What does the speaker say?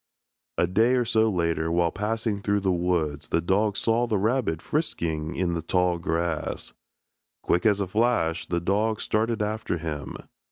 A day or so later while passing through the woods the dog saw the rabbit frisking in the tall grass. Quick as a flash the dog started after him.